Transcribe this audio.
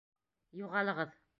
Юғалығыҙ!